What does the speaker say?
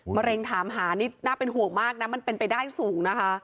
มะเร็งถามหานี่น่าเป็นห่วงมากนะมันเป็นไปได้สูงนะคะ